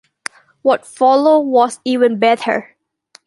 What followed was even better.